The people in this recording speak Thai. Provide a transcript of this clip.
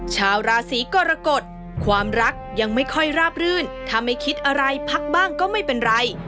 ชาวราศีกรกฎความรักยังไม่ค่อยราบรื่นถ้าไม่คิดอะไรพักบ้างก็ไม่เป็นไร